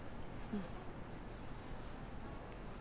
うん。